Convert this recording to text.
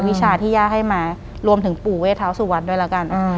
วิชาที่ย่าให้มารวมถึงปู่เวท้าสุวรรค์ด้วยแล้วกัน